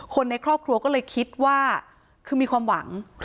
คนในครอบครัวก็เลยคิดว่าคือมีความหวัง